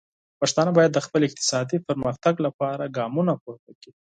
پښتانه باید د خپل اقتصادي پرمختګ لپاره ګامونه پورته کړي.